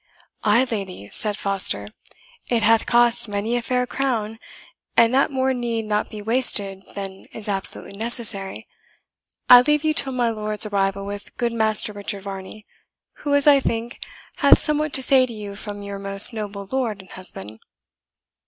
"Ay lady," said Foster, "it hath cost many a fair crown; and that more need not be wasted than is absolutely necessary, I leave you till my lord's arrival with good Master Richard Varney, who, as I think, hath somewhat to say to you from your most noble lord and husband.